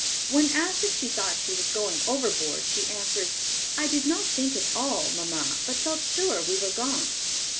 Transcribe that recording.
When asked if she thought she was going overboard, she answered, "I did not think at all, mamma, but felt sure we were gone."